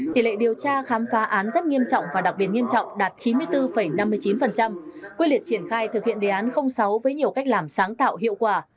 tỷ lệ điều tra khám phá án rất nghiêm trọng và đặc biệt nghiêm trọng đạt chín mươi bốn năm mươi chín quyết liệt triển khai thực hiện đề án sáu với nhiều cách làm sáng tạo hiệu quả